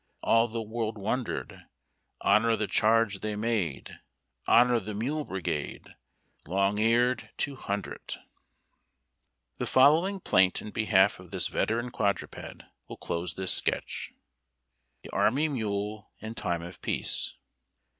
All the world wondered. Honor the charge they made ! Honor the Mule Brigade, Long eared two hundred ! The following plaint in behalf of this veteran quadruped will close this sketch :— THE ARMY MULE IN TIME OF PEACE.